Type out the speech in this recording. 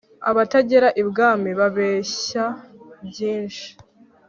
abatagera i bwami ,babeshya byinshi